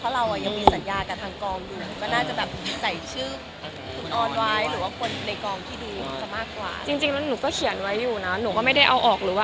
เราอยื่อสัญญากับทางกองได้ว่ามีใส่ชื่อ